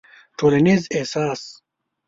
ټولنيز احساس